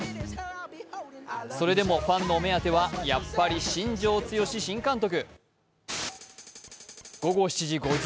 それでもファンのお目当てはやはり新庄剛志新監督。